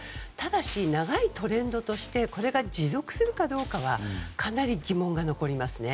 ただし、長いトレンドとしてこれが持続するかどうかはかなり疑問が残りますね。